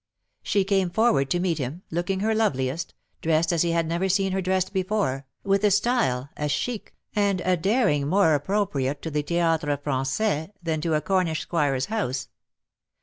She came forward to meet him, looking her loveliest, dressed as he had never seen her dressed before, with a style, a chic, and a daring more appropriate to the Theatre rran9ais than to a Cornish squire's house.